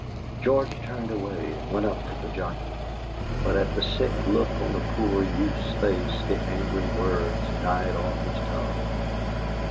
George turned away, and went up to the jockey, but at the sick look on the poor youth's face the angry words died off his tongue.